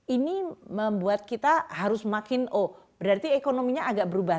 ini membuat kita harus makin oh berarti ekonominya agak berubah